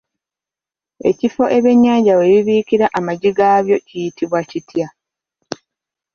Ekifo ebyennyanja we bibiikira amagi gaabyo kiyitibwa kitya?